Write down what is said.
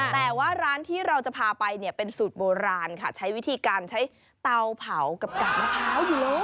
แต่ว่าร้านที่เราจะพาไปเนี่ยเป็นสูตรโบราณค่ะใช้วิธีการใช้เตาเผากับกาบมะพร้าวอยู่เลย